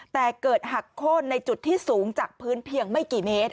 แต่เกิดหักโค้นในจุดที่สูงจากพื้นเพียงไม่กี่เมตร